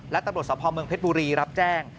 และตำรวจสภเมืองเพชรบุรีรับแจ้ง